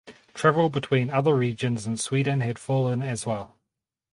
Travel between other regions in Sweden had fallen as well.